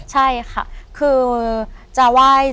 ใช่ค่ะคือจะไหว้